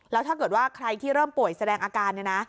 แล้วถ้าเกิดว่าใครที่เริ่มป่วยแสดงอาการเนี่ยนะ